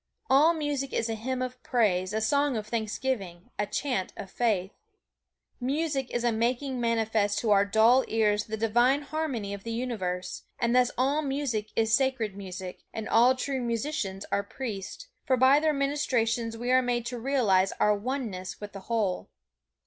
All music is a hymn of praise, a song of thanksgiving, a chant of faith. Music is a making manifest to our dull ears the divine harmony of the universe, and thus all music is sacred music, and all true musicians are priests, for by their ministrations we are made to realize our Oneness with the Whole.